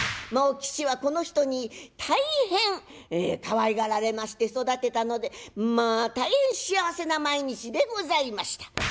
もうきちはこの人に大変かわいがられまして育てたのでまあ大変幸せな毎日でございました。